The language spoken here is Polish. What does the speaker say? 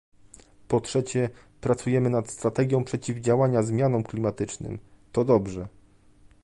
Po trzecie, pracujemy nad strategią przeciwdziałania zmianom klimatycznym - to dobrze